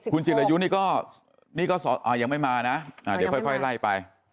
คุณจิรายุนี่ก็นี่ก็ยังไม่มานะเดี๋ยวค่อยไล่ไป